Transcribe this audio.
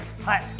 はい！